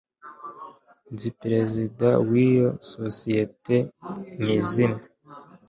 Nzi perezida wiyo sosiyete mwizina